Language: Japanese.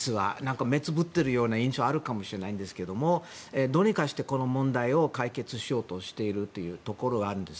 目をつぶっているような印象があるかもしれないんですけれどもどうにかしてこの問題を解決しようとしているところはあるんです。